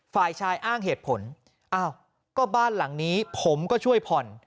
ฝ่ายชายอ้างเหตุผลอ้าวก็บ้านหลังนี้ผมก็ช่วยผ่อน